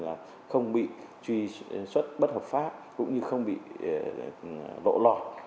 là không bị truy xuất bất hợp pháp cũng như không bị lộ lọt